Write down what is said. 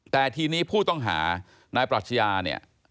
แต่ทีนี้ผู้ต้องหานายปรัชญาเนี่ย